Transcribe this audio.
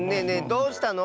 どうしたの？